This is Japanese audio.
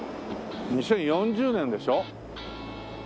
２０４０年でしょ？